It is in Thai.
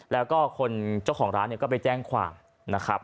แล้วก็คนเจ้าของร้านเนี่ยก็ไปแจ้งความนะครับ